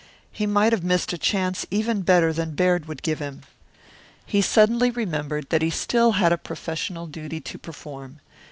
He might have missed a chance even better than Baird would give him. He suddenly remembered that he had still a professional duty to perform.